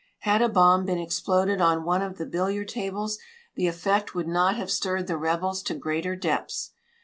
Had a bomb been exploded on one of the billiard tables the effect would not have stirred the rebels to greater depths.